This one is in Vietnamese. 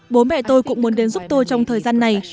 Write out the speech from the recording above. bố mẹ tôi cũng muốn đến giúp tôi trong thời gian này